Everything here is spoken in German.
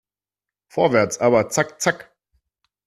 Vorwärts, aber zack zack!